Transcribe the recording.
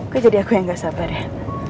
kok jadi aku yang gak sabar ya